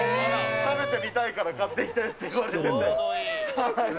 食べてみたいから買ってきてって言われてて。